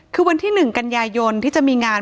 คือวันที่หนึ่งกัญญายนที่จะมีงาน